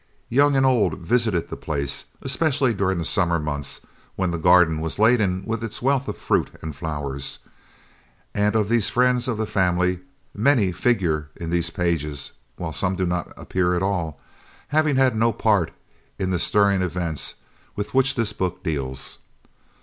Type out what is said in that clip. Young and old visited the place, especially during the summer months when the garden was laden with its wealth of fruit and flowers; and of these friends of the family many figure in these pages, while some do not appear at all, having had no part in the stirring events with which this book deals.